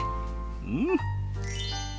うん！